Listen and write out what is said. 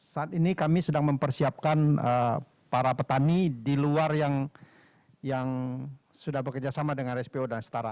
saat ini kami sedang mempersiapkan para petani di luar yang sudah bekerjasama dengan rspo dan setara